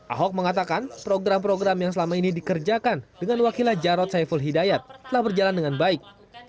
ahok mengatakan program program yang selama ini dikerjakan dengan wakil jarod saiful hidayat telah berjalan dengan baik